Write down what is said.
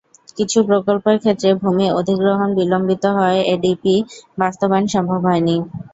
কিছু প্রকল্পের ক্ষেত্রে ভূমি অধিগ্রহণ বিলম্বিত হওয়ায় এডিপি বাস্তবায়ন সম্ভব হয়নি।